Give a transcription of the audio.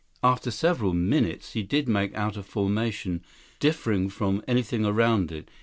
After several minutes, he did make out a formation differing from anything around it.